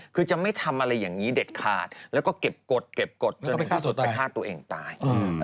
คือจะไม่ทำอะไรอย่างนี้เด็ดขาดแล้วก็เก็บกฎไปฆ่าตัวเองตาย